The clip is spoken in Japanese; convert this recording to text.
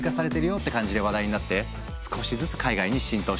って感じで話題になって少しずつ海外に浸透していったんだ。